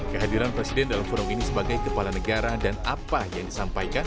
kehadiran presiden dalam forum ini sebagai kepala negara dan apa yang disampaikan